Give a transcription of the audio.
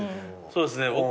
そうですね